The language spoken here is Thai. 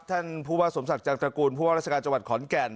ท่านผู้ว่าสมศักดิ์จังตระกูลผู้ว่าราชการจังหวัดขอนแก่น